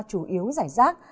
chủ yếu rải rác